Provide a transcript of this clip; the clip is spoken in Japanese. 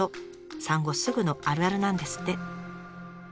産後すぐのあるあるなんですって。